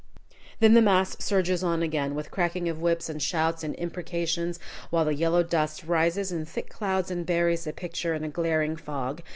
Then the mass surges on again, with cracking of whips and shouts and imprecations, while the yellow dust rises in thick clouds and buries the picture in a glaring fog.